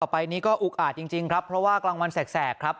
ไปนี้ก็อุกอาจจริงครับเพราะว่ากลางวันแสกครับ